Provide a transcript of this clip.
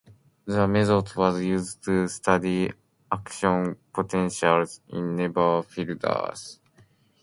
The method was used to study action potentials in nerve fibers.